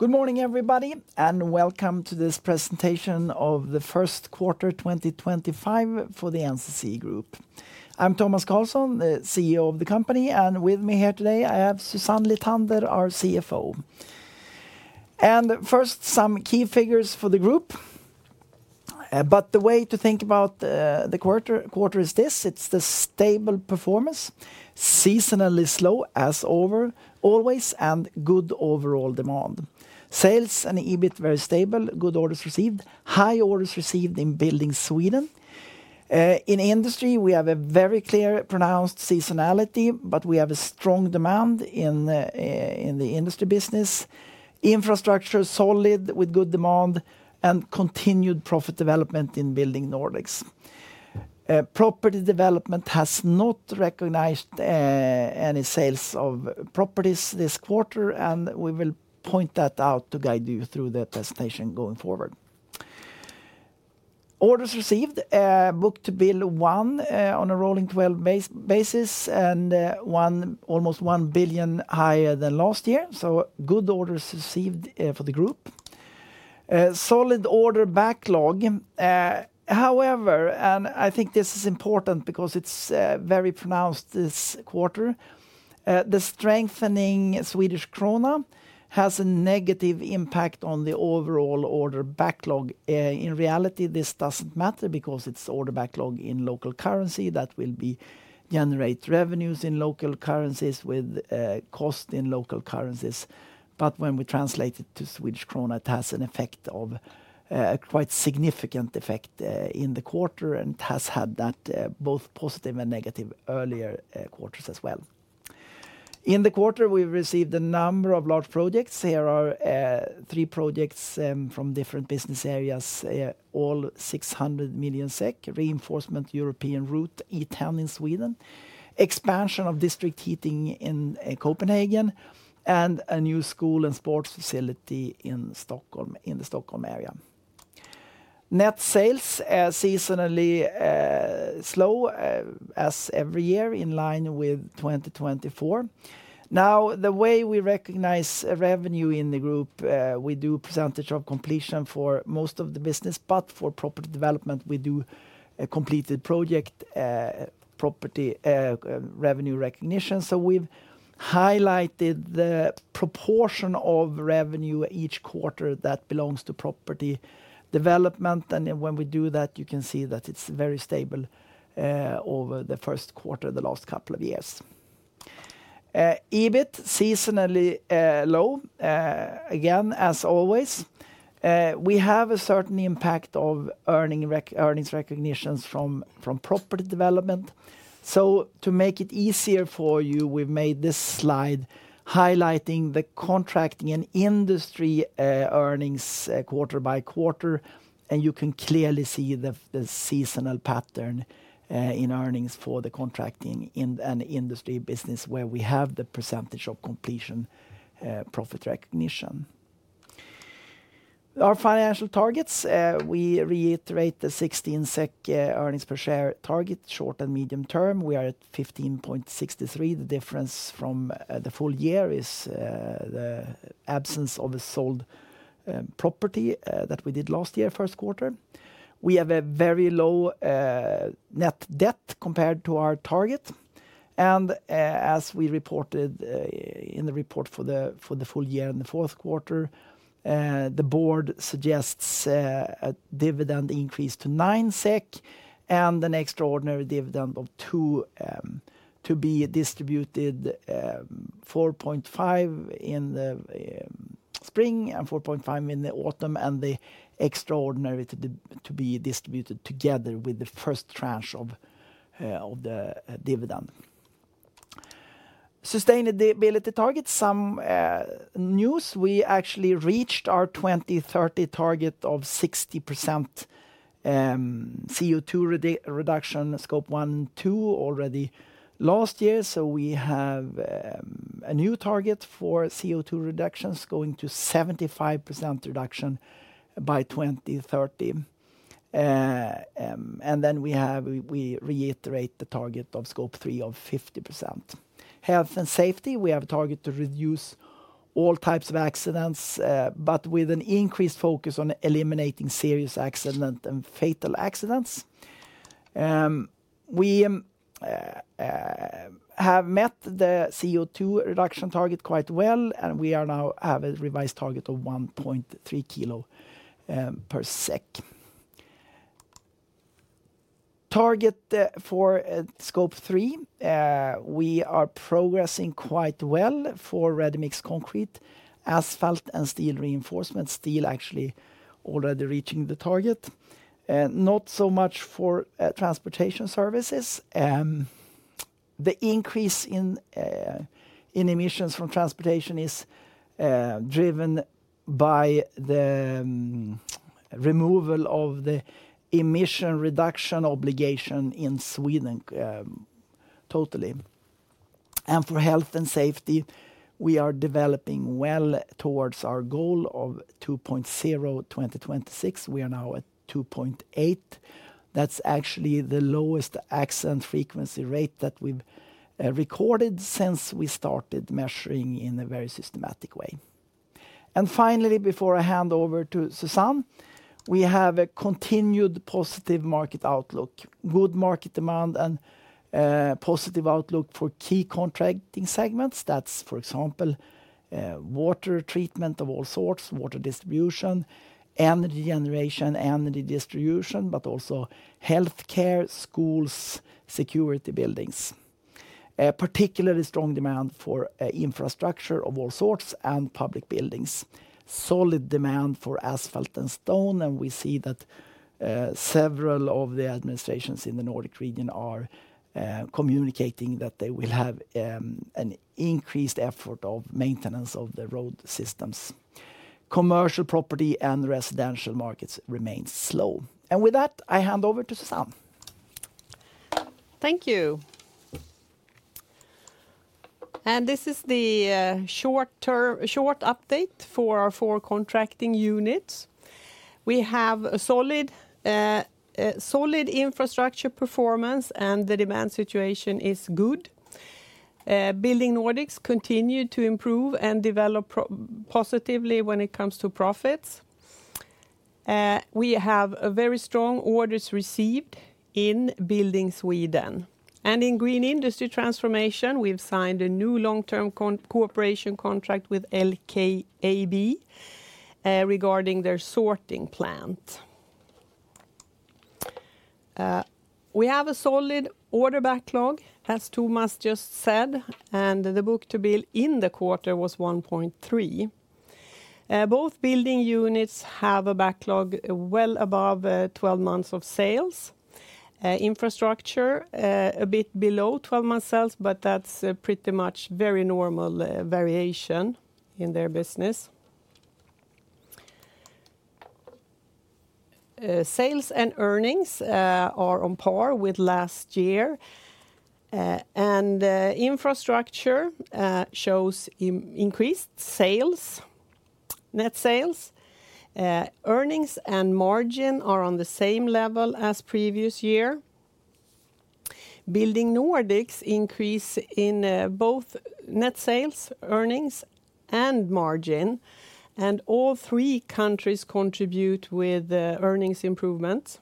Good morning, everybody, and welcome to this presentation of the First Quarter 2025 for the NCC Group. I'm Tomas Carlsson, the CEO of the company, and with me here today I have Susanne Lithander, our CFO. First, some key figures for the group. The way to think about the quarter is this: it's the stable performance, seasonally slow as always, and good overall demand. Sales and EBIT very stable, good orders received, high orders received in Building Sweden. In Industry, we have a very clear, pronounced seasonality, but we have a strong demand in the Industry business. Infrastructure solid with good demand and continued profit development in Building Nordics. Property Development has not recognized any sales of properties this quarter, and we will point that out to guide you through the presentation going forward. Orders received, book-to-bill one on a rolling 12 basis, and almost 1 billion higher than last year. Good orders received for the group. Solid order backlog. However, and I think this is important because it is very pronounced this quarter, the strengthening Swedish krona has a negative impact on the overall order backlog. In reality, this does not matter because it is order backlog in local currency that will generate revenues in local currencies with cost in local currencies. When we translate it to Swedish krona, it has an effect, a quite significant effect in the quarter, and it has had that both positive and negative earlier quarters as well. In the quarter, we have received a number of large projects. Here are three projects from different business areas, all 600 million SEK: reinforcement European route E10 in Sweden, expansion of district heating in Copenhagen, and a new school and sports facility in the Stockholm area. Net sales seasonally slow as every year in line with 2024. Now, the way we recognize revenue in the group, we do percentage of completion for most of the business, but for Property Development, we do completed project property revenue recognition. We have highlighted the proportion of revenue each quarter that belongs to Property Development. When we do that, you can see that it is very stable over the first quarter of the last couple of years. EBIT seasonally low, again, as always. We have a certain impact of earnings recognitions from Property Development. To make it easier for you, we've made this slide highlighting the contracting and industry earnings quarter by quarter, and you can clearly see the seasonal pattern in earnings for the contracting and industry business where we have the percentage of completion profit recognition. Our financial targets, we reiterate the 16 SEK earnings per share target short and medium term. We are at 15.63. The difference from the full year is the absence of a sold property that we did last year, first quarter. We have a very low net debt compared to our target. As we reported in the report for the full year in the fourth quarter, the board suggests a dividend increase to 9 SEK and an extraordinary dividend of 2 to be distributed 4.5 in the spring and 4.5 in the autumn, and the extraordinary to be distributed together with the first tranche of the dividend. Sustainability targets, some news. We actually reached our 2030 target of 60% CO2 reduction, Scope 1 and 2 already last year. We have a new target for CO2 reductions going to 75% reduction by 2030. We reiterate the target of Scope 3 of 50%. Health and safety, we have a target to reduce all types of accidents, but with an increased focus on eliminating serious accidents and fatal accidents. We have met the CO2 reduction target quite well, and we now have a revised target of 1.3 kilo per SEK. Target for Scope 3, we are progressing quite well for ready-mix concrete, asphalt, and steel reinforcement. Steel actually already reaching the target. Not so much for transportation services. The increase in emissions from transportation is driven by the removal of the emission reduction obligation in Sweden totally. For health and safety, we are developing well towards our goal of 2.0 2026. We are now at 2.8. That's actually the lowest accident frequency rate that we've recorded since we started measuring in a very systematic way. Finally, before I hand over to Susanne, we have a continued positive market outlook, good market demand, and positive outlook for key contracting segments. That's, for example, water treatment of all sorts, water distribution, energy generation, energy distribution, but also healthcare, schools, security buildings. Particularly strong demand for infrastructure of all sorts and public buildings. Solid demand for asphalt and stone. We see that several of the administrations in the Nordic region are communicating that they will have an increased effort of maintenance of the road systems. Commercial property and residential markets remain slow. With that, I hand over to Susanne. Thank you. This is the short update for our four contracting units. We have solid infrastructure performance, and the demand situation is good. Building Nordics continue to improve and develop positively when it comes to profits. We have very strong orders received in Building Sweden. In green industry transformation, we've signed a new long-term cooperation contract with LKAB regarding their sorting plant. We have a solid order backlog, as Thomas just said, and the book to bill in the quarter was 1.3. Both building units have a backlog well above 12 months of sales. Infrastructure, a bit below 12 months sales, but that's pretty much very normal variation in their business. Sales and earnings are on par with last year. Infrastructure shows increased sales, net sales. Earnings and margin are on the same level as previous year. Building Nordics increase in both net sales, earnings, and margin. All three countries contribute with earnings improvements.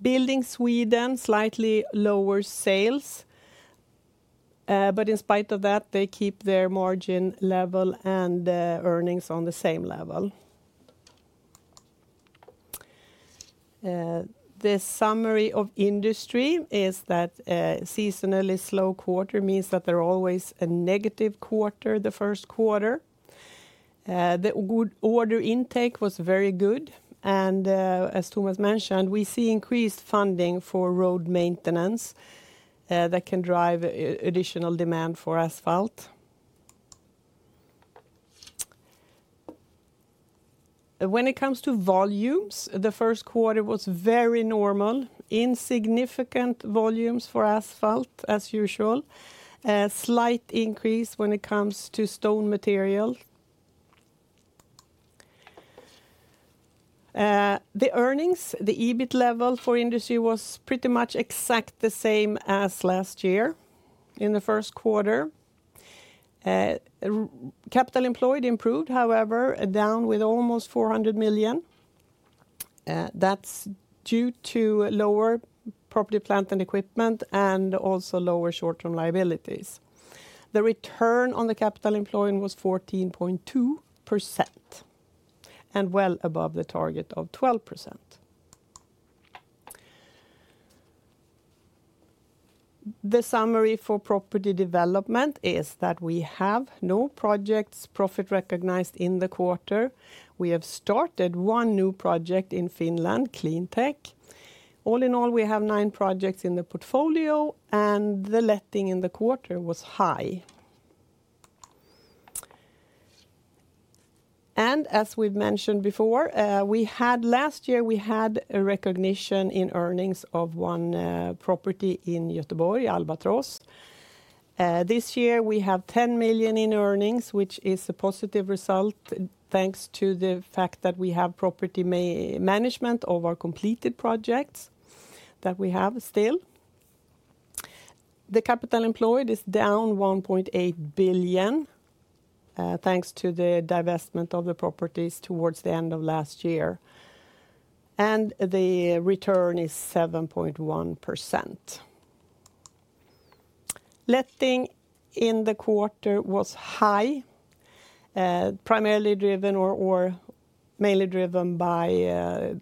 Building Sweden has slightly lower sales, but in spite of that, they keep their margin level and earnings on the same level. The summary of industry is that a seasonally slow quarter means that there is always a negative quarter, the first quarter. The good order intake was very good. As Thomas mentioned, we see increased funding for road maintenance that can drive additional demand for asphalt. When it comes to volumes, the first quarter was very normal. Insignificant volumes for asphalt, as usual. Slight increase when it comes to stone material. The earnings, the EBIT level for industry was pretty much exactly the same as last year in the first quarter. Capital employed improved, however, down with almost 400 million. That is due to lower property, plant and equipment and also lower short-term liabilities. The return on the capital employment was 14.2% and well above the target of 12%. The summary for Property Development is that we have no projects profit recognized in the quarter. We have started one new project in Finland, Cleantech. All in all, we have nine projects in the portfolio, and the letting in the quarter was high. As we've mentioned before, last year we had a recognition in earnings of one property in Göteborg, Albatross. This year we have 10 million in earnings, which is a positive result thanks to the fact that we have property management of our completed projects that we have still. The capital employed is down 1.8 billion thanks to the divestment of the properties towards the end of last year. The return is 7.1%. Letting in the quarter was high, primarily driven or mainly driven by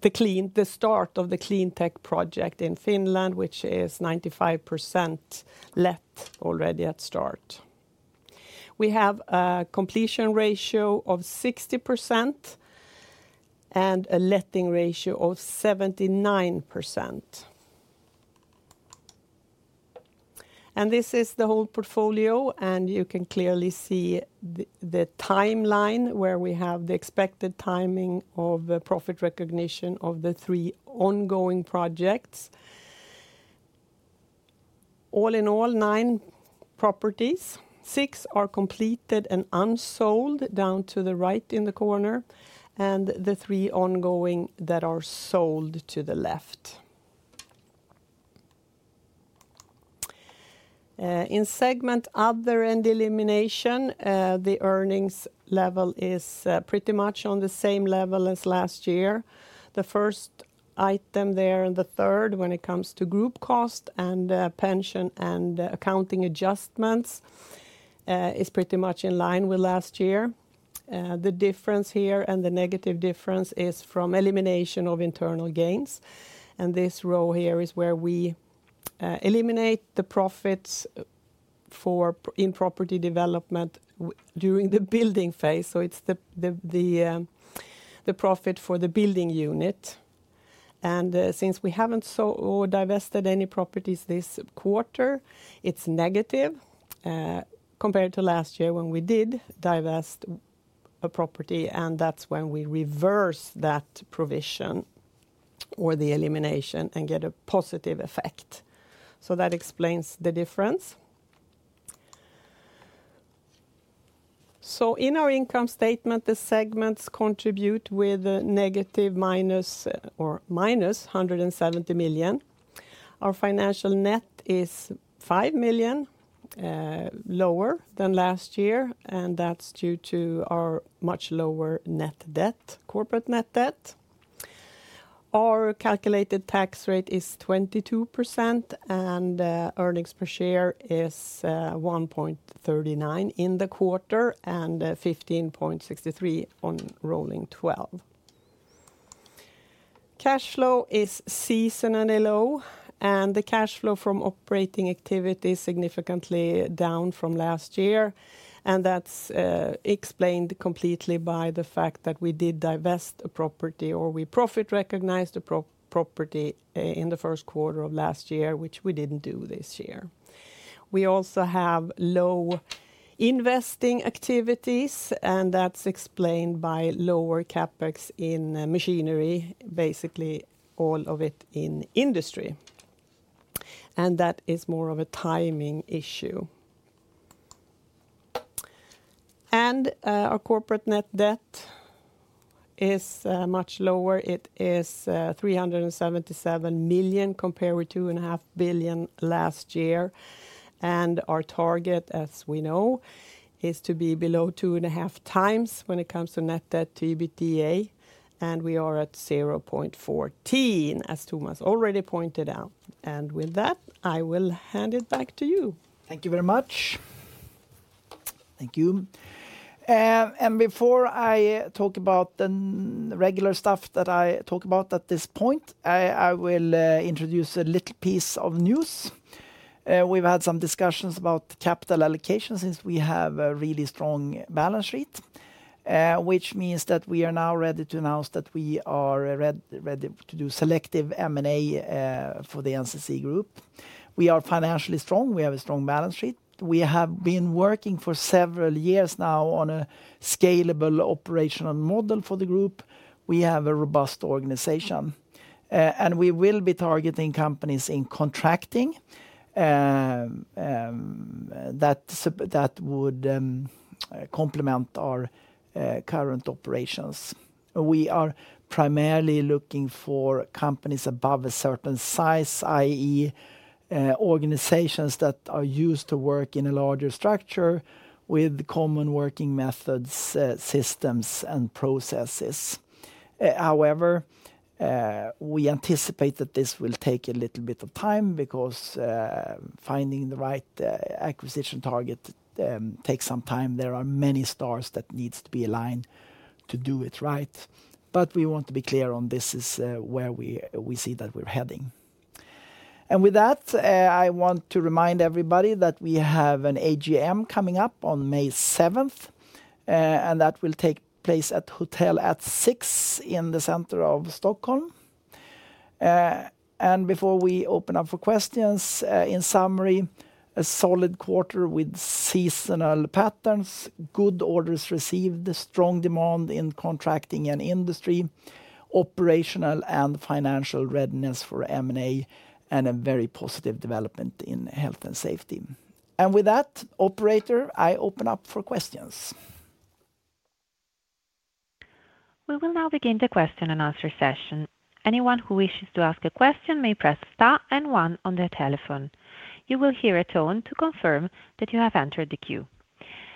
the start of the Cleantech project in Finland, which is 95% let already at start. We have a completion ratio of 60% and a letting ratio of 79%. This is the whole portfolio, and you can clearly see the timeline where we have the expected timing of profit recognition of the three ongoing projects. All in all, nine properties. Six are completed and unsold down to the right in the corner, and the three ongoing that are sold to the left. In segment other and elimination, the earnings level is pretty much on the same level as last year. The first item there and the third when it comes to group cost and pension and accounting adjustments is pretty much in line with last year. The difference here and the negative difference is from elimination of internal gains. This row here is where we eliminate the profits for in Property Development during the building phase. It is the profit for the building unit. Since we have not divested any properties this quarter, it is negative compared to last year when we did divest a property, and that is when we reverse that provision or the elimination and get a positive effect. That explains the difference. In our income statement, the segments contribute with a negative minus or minus 170 million. Our financial net is 5 million lower than last year, and that is due to our much lower net debt, corporate net debt. Our calculated tax rate is 22%, and earnings per share is 1.39 in the quarter and 15.63 on rolling 12. Cash flow is seasonally low, and the cash flow from operating activity is significantly down from last year. That is explained completely by the fact that we did divest a property or we profit recognized a property in the first quarter of last year, which we did not do this year. We also have low investing activities, and that is explained by lower CapEx in machinery, basically all of it in industry. That is more of a timing issue. Our corporate net debt is much lower. It is 377 million compared with 2.5 billion last year. Our target, as we know, is to be below 2.5 times when it comes to net debt to EBITDA. We are at 0.14, as Thomas already pointed out. With that, I will hand it back to you. Thank you very much. Thank you. Before I talk about the regular stuff that I talk about at this point, I will introduce a little piece of news. We've had some discussions about capital allocation since we have a really strong balance sheet, which means that we are now ready to announce that we are ready to do selective M&A for the NCC Group. We are financially strong. We have a strong balance sheet. We have been working for several years now on a scalable operational model for the group. We have a robust organization, and we will be targeting companies in contracting that would complement our current operations. We are primarily looking for companies above a certain size, i.e., organizations that are used to work in a larger structure with common working methods, systems, and processes. However, we anticipate that this will take a little bit of time because finding the right acquisition target takes some time. There are many stars that need to be aligned to do it right. We want to be clear on this is where we see that we're heading. I want to remind everybody that we have an AGM coming up on May 7th, and that will take place at Hotel At Six in the center of Stockholm. Before we open up for questions, in summary, a solid quarter with seasonal patterns, good orders received, strong demand in contracting and industry, operational and financial readiness for M&A, and a very positive development in health and safety. With that, operator, I open up for questions. We will now begin the question and answer session. Anyone who wishes to ask a question may press Star and One on their telephone. You will hear a tone to confirm that you have entered the queue.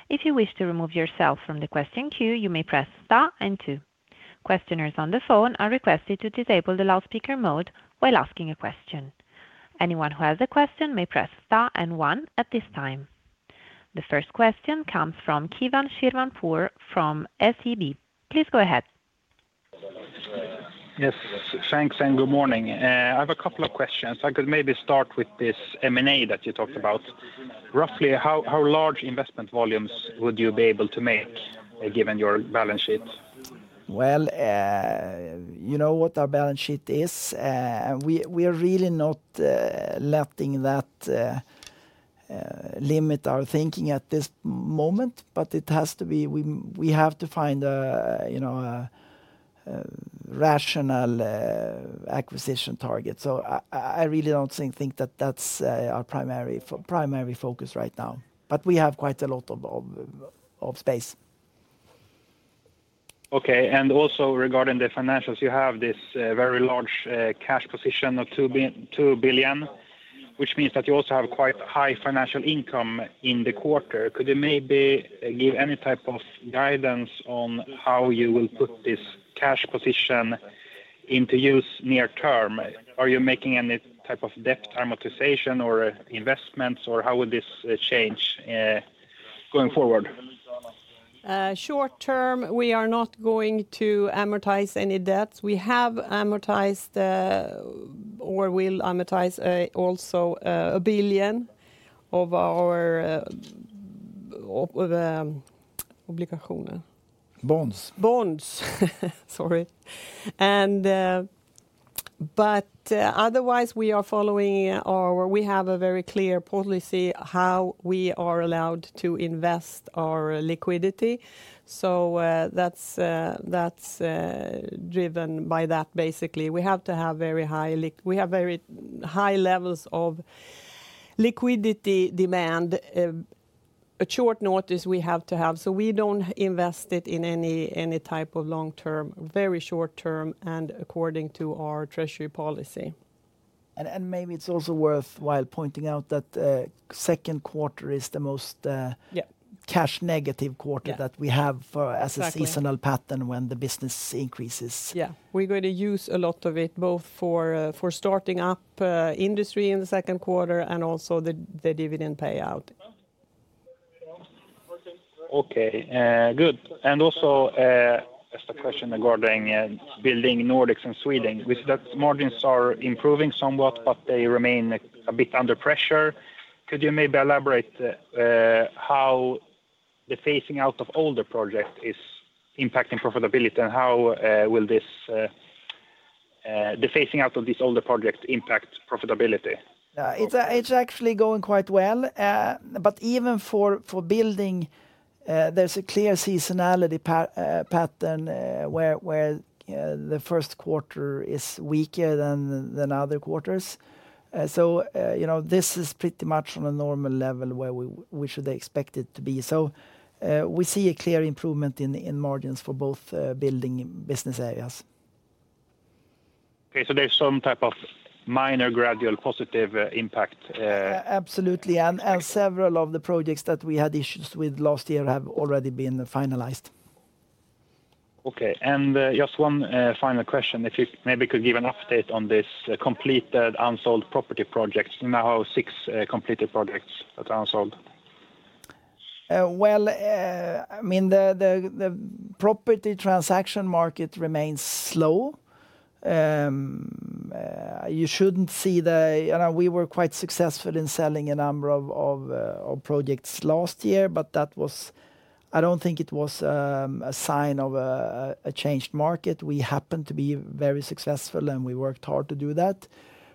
If you wish to remove yourself from the question queue, you may press Star and Two. Questioners on the phone are requested to disable the loudspeaker mode while asking a question. Anyone who has a question may press Star and One at this time. The first question comes from Kivan Shirvanpur from SEB. Please go ahead. Yes. Thanks. Good morning. I have a couple of questions. I could maybe start with this M&A that you talked about. Roughly, how large investment volumes would you be able to make given your balance sheet? You know what our balance sheet is? We are really not letting that limit our thinking at this moment, but it has to be we have to find a rational acquisition target. I really do not think that that is our primary focus right now. We have quite a lot of space. Okay. Also regarding the financials, you have this very large cash position of 2 billion, which means that you also have quite high financial income in the quarter. Could you maybe give any type of guidance on how you will put this cash position into use near term? Are you making any type of debt amortization or investments, or how will this change going forward? Short term, we are not going to amortize any debts. We have amortized or will amortize also 1 billion of our obligations. Bonds. Bonds, sorry. Otherwise, we are following our we have a very clear policy how we are allowed to invest our liquidity. That is driven by that, basically. We have to have very high we have very high levels of liquidity demand. At short notice we have to have. We do not invest it in any type of long term, very short term, and according to our treasury policy. Maybe it's also worthwhile pointing out that second quarter is the most cash negative quarter that we have as a seasonal pattern when the business increases. Yeah. We're going to use a lot of it both for starting up industry in the second quarter and also the dividend payout. Okay. Good. Also, just a question regarding Building Nordics and Sweden. We see that margins are improving somewhat, but they remain a bit under pressure. Could you maybe elaborate how the phasing out of older projects is impacting profitability and how will the phasing out of these older projects impact profitability? It's actually going quite well. Even for building, there's a clear seasonality pattern where the first quarter is weaker than other quarters. This is pretty much on a normal level where we should expect it to be. We see a clear improvement in margins for both building business areas. There is some type of minor gradual positive impact. Absolutely. Several of the projects that we had issues with last year have already been finalized. Okay. Just one final question. If you maybe could give an update on this completed unsold property project. You now have six completed projects that are unsold. The property transaction market remains slow. You shouldn't see that we were quite successful in selling a number of projects last year, but that was, I don't think it was a sign of a changed market. We happened to be very successful, and we worked hard to do that.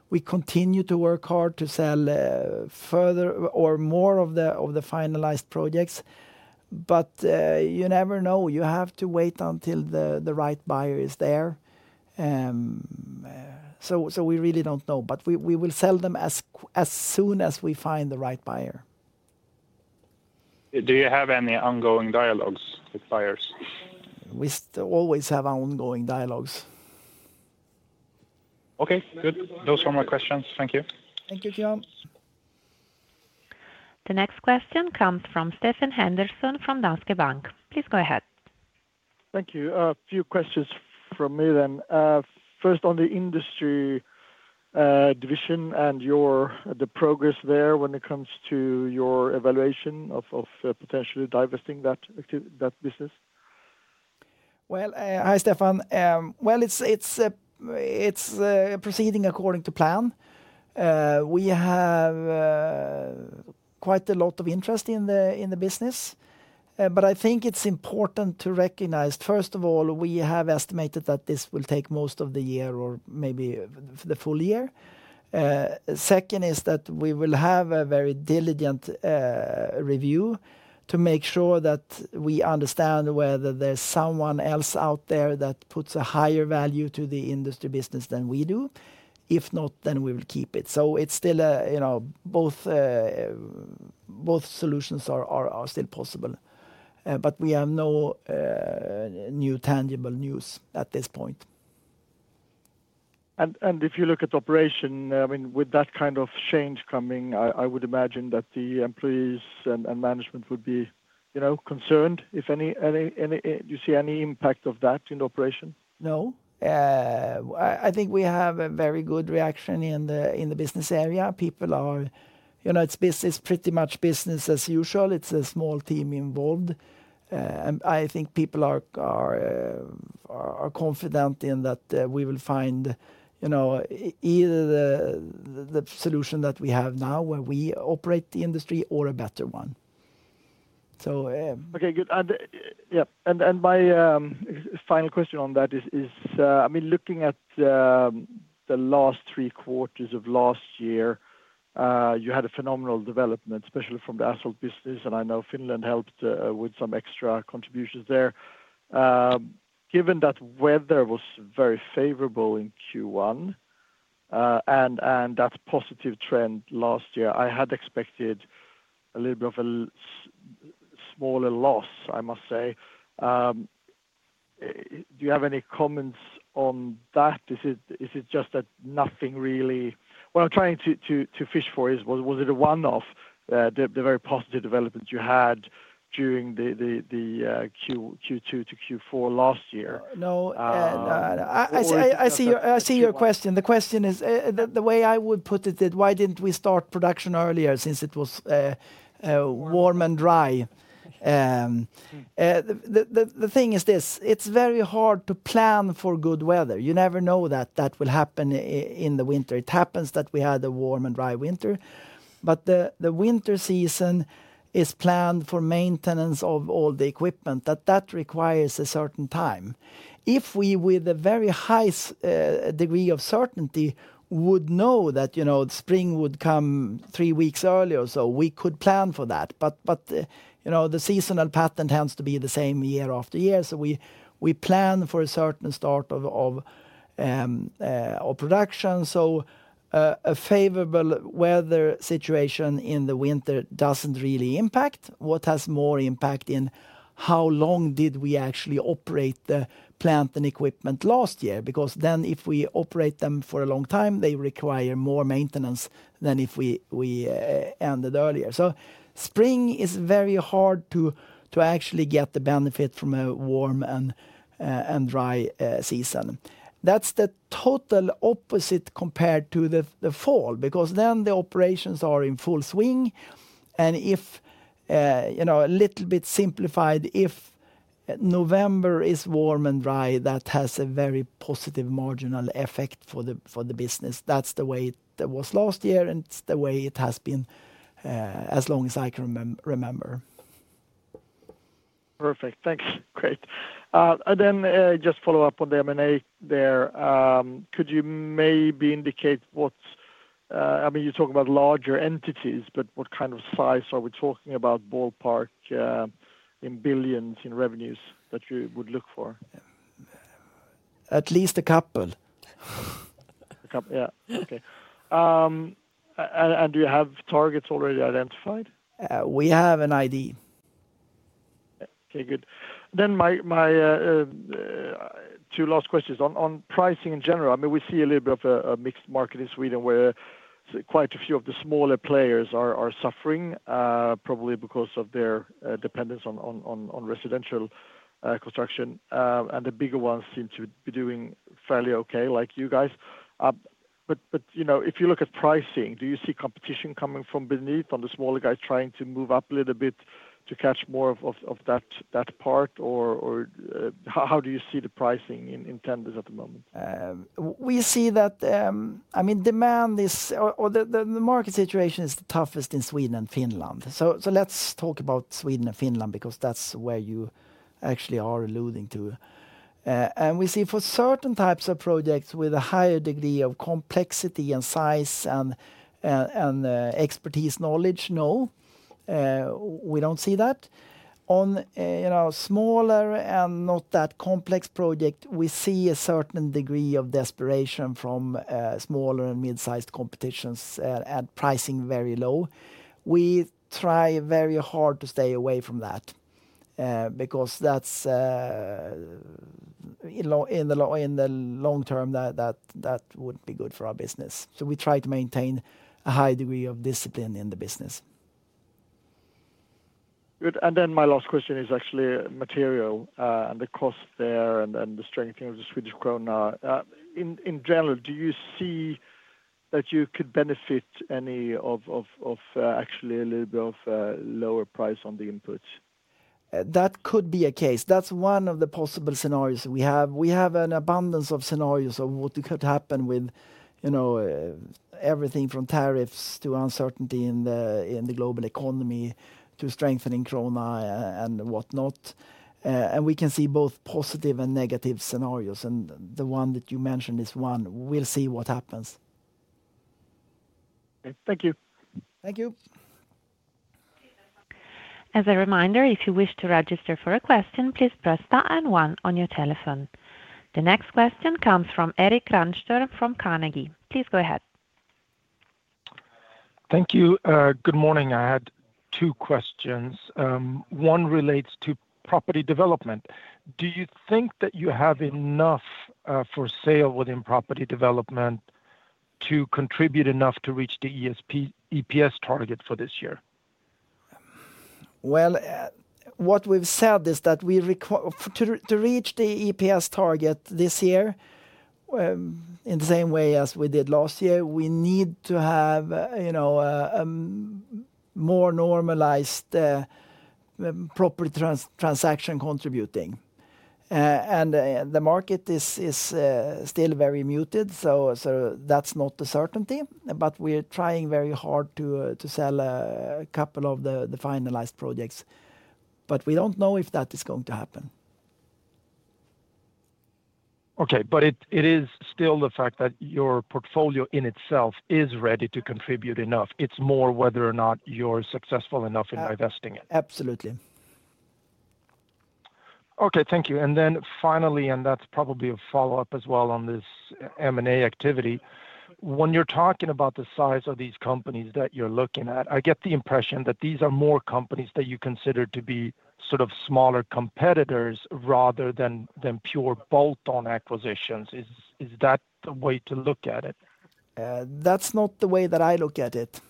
We continue to work hard to sell further or more of the finalized projects. You never know. You have to wait until the right buyer is there. We really don't know. We will sell them as soon as we find the right buyer. Do you have any ongoing dialogues with buyers? We always have ongoing dialogues. Okay. Good. Those were my questions. Thank you. Thank you, John. The next question comes from Stefan Anderesen from Danske Bank. Please go ahead. Thank you. A few questions from me then. First, on the industry division and the progress there when it comes to your evaluation of potentially divesting that business. Hi, Stefan. It is proceeding according to plan. We have quite a lot of interest in the business. I think it is important to recognize, first of all, we have estimated that this will take most of the year or maybe the full year. Second is that we will have a very diligent review to make sure that we understand whether there is someone else out there that puts a higher value to the industry business than we do. If not, then we will keep it. Both solutions are still possible. We have no new tangible news at this point. If you look at operation, I mean, with that kind of change coming, I would imagine that the employees and management would be concerned. If any, do you see any impact of that in the operation? No. I think we have a very good reaction in the business area. People are, it's pretty much business as usual. It's a small team involved. I think people are confident in that we will find either the solution that we have now where we operate the industry or a better one. Okay. Good. Yeah. My final question on that is, I mean, looking at the last three quarters of last year, you had a phenomenal development, especially from the asphalt business. I know Finland helped with some extra contributions there. Given that weather was very favorable in Q1 and that positive trend last year, I had expected a little bit of a smaller loss, I must say. Do you have any comments on that? Is it just that nothing really—what I'm trying to fish for is, was it a one-off, the very positive development you had during the Q2-Q4 last year? No. I see your question. The question is, the way I would put it, why didn't we start production earlier since it was warm and dry? The thing is this. It's very hard to plan for good weather. You never know that that will happen in the winter. It happens that we had a warm and dry winter. The winter season is planned for maintenance of all the equipment. That requires a certain time. If we, with a very high degree of certainty, would know that spring would come three weeks earlier or so, we could plan for that. The seasonal pattern tends to be the same year after year. We plan for a certain start of production. A favorable weather situation in the winter doesn't really impact. What has more impact is how long did we actually operate the plant and equipment last year? Because if we operate them for a long time, they require more maintenance than if we ended earlier. Spring is very hard to actually get the benefit from a warm and dry season. That's the total opposite compared to the fall because then the operations are in full swing. If a little bit simplified, if November is warm and dry, that has a very positive marginal effect for the business. That's the way it was last year, and it's the way it has been as long as I can remember. Perfect. Thanks. Great. I mean, just follow up on the M&A there. Could you maybe indicate what, I mean, you talk about larger entities, but what kind of size are we talking about, ballpark in billions in revenues that you would look for? At least a couple. A couple. Yeah. Okay. Do you have targets already identified? We have an idea. Okay. Good. My two last questions on pricing in general. I mean, we see a little bit of a mixed market in Sweden where quite a few of the smaller players are suffering, probably because of their dependence on residential construction. The bigger ones seem to be doing fairly okay, like you guys. If you look at pricing, do you see competition coming from beneath on the smaller guys trying to move up a little bit to catch more of that part? How do you see the pricing in tenders at the moment? We see that, I mean, demand is the market situation is the toughest in Sweden and Finland. Let's talk about Sweden and Finland because that's where you actually are alluding to. We see for certain types of projects with a higher degree of complexity and size and expertise knowledge, no. We don't see that. On smaller and not that complex projects, we see a certain degree of desperation from smaller and mid-sized competitions and pricing very low. We try very hard to stay away from that because in the long term, that wouldn't be good for our business. We try to maintain a high degree of discipline in the business. Good. My last question is actually material. The cost there and the strengthening of the Swedish krona. In general, do you see that you could benefit any of actually a little bit of lower price on the inputs? That could be a case. That is one of the possible scenarios we have. We have an abundance of scenarios of what could happen with everything from tariffs to uncertainty in the global economy to strengthening Krona and whatnot. We can see both positive and negative scenarios. The one that you mentioned is one. We will see what happens. Okay. Thank you. Thank you. As a reminder, if you wish to register for a question, please press star and one on your telephone. The next question comes from Erik Granström from Carnegie. Please go ahead. Thank you. Good morning. I had two questions. One relates to Property Development. Do you think that you have enough for sale within Property Development to contribute enough to reach the EPS target for this year? What we've said is that we require to reach the EPS target this year in the same way as we did last year, we need to have more normalized property transaction contributing. The market is still very muted, so that's not a certainty. We are trying very hard to sell a couple of the finalized projects. We do not know if that is going to happen. It is still the fact that your portfolio in itself is ready to contribute enough. It's more whether or not you're successful enough in divesting it. Absolutely. Okay. Thank you. Finally, and that's probably a follow-up as well on this M&A activity. When you're talking about the size of these companies that you're looking at, I get the impression that these are more companies that you consider to be sort of smaller competitors rather than pure bolt-on acquisitions. Is that the way to look at it? That's not the way that I look at it.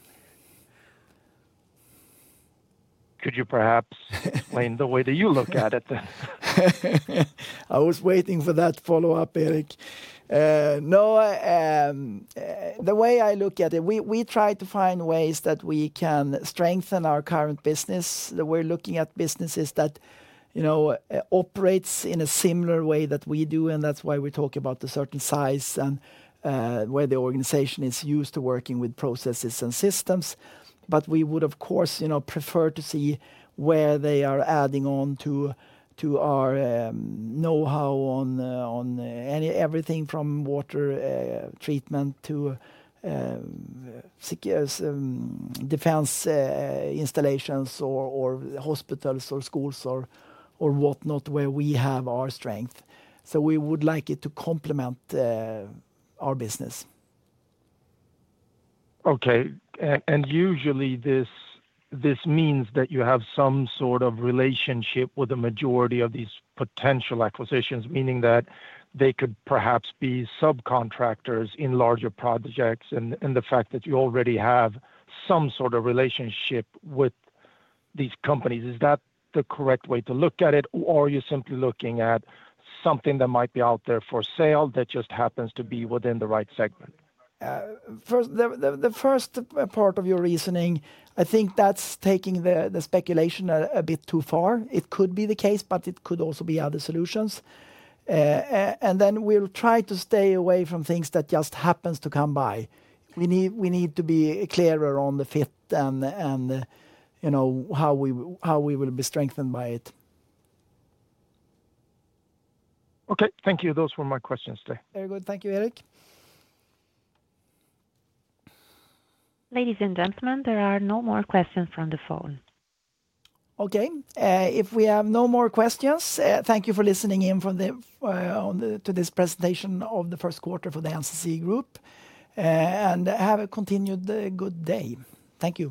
Could you perhaps explain the way that you look at it? I was waiting for that follow-up, Erik. No. The way I look at it, we try to find ways that we can strengthen our current business. We're looking at businesses that operate in a similar way that we do, and that's why we talk about the certain size and where the organization is used to working with processes and systems. We would, of course, prefer to see where they are adding on to our know-how on everything from water treatment to defense installations or hospitals or schools or whatnot where we have our strength. We would like it to complement our business. Okay. Usually, this means that you have some sort of relationship with a majority of these potential acquisitions, meaning that they could perhaps be subcontractors in larger projects and the fact that you already have some sort of relationship with these companies. Is that the correct way to look at it? Are you simply looking at something that might be out there for sale that just happens to be within the right segment? First, the first part of your reasoning, I think that's taking the speculation a bit too far. It could be the case, but it could also be other solutions. We will try to stay away from things that just happen to come by. We need to be clearer on the fit and how we will be strengthened by it. Okay. Thank you. Those were my questions today. Very good. Thank you, Erik. Ladies and gentlemen, there are no more questions from the phone. Okay. If we have no more questions, thank you for listening in to this presentation of the first quarter for the NCC Group. Have a continued good day. Thank you.